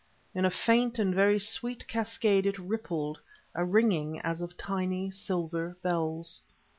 In a faint and very sweet cascade it rippled; a ringing as of tiny silver bells.